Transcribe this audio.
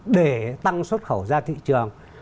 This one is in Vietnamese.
để tăng xuất khẩu ra thị trường